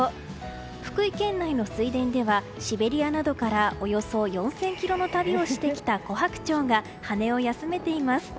福井県内の水田ではシベリアなどからおよそ４０００ｋｍの旅をしてきた、コハクチョウが羽を休めています。